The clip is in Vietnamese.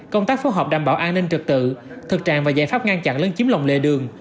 công tác phối hợp đảm bảo an ninh trực tự thực trạng và giải pháp ngăn chặn lấn chiếm lòng lề đường